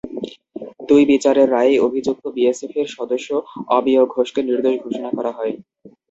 দুই বিচারের রায়েই অভিযুক্ত বিএসএফের সদস্য অমিয় ঘোষকে নির্দোষ ঘোষণা করা হয়।